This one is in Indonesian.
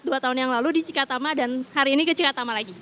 dua tahun yang lalu di cikatama dan hari ini ke cikatama lagi